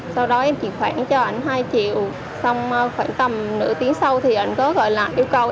sau đó em chuyển khoản cho ảnh hai triệu xong khoảng tầm nửa tiếng sau thì anh có gọi là yêu cầu